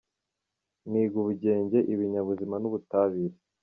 Niga Ubugenge, Ibinyabuzima n'Ubutabire.